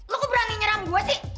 he lo kok berani nyeram gue sih